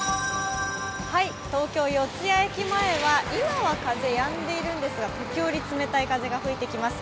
東京・四ツ谷駅前は今は風がやんでいるんですが時折冷たい風が吹いてきます。